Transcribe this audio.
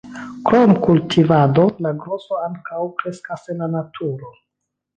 Krom kultivado la groso ankaŭ kreskas en la naturo.